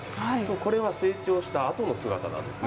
これは成長したあとの姿なんです